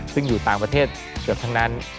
ซึ่งอยู่ต่างประเทศเกือบทั้งนั้น